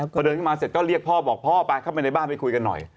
พอเดินเข้ามาเสร็จก็เรียกพ่อบอกพ่อไปเข้าไปในบ้านไปคุยกันหน่อย